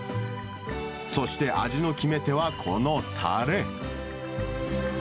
そして味の決め手はこのたれ。